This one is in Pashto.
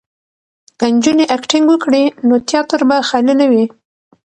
که نجونې اکټینګ وکړي نو تیاتر به خالي نه وي.